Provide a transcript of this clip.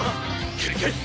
繰り返す。